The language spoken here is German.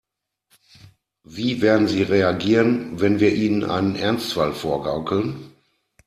Wie werden sie reagieren, wenn wir ihnen einen Ernstfall vorgaukeln?